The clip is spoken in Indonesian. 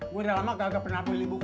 gue udah lama kagak pernah pilih buku